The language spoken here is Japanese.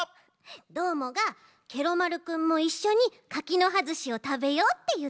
どーもが「ケロ丸くんもいっしょに柿の葉ずしをたべよ」っていってるち。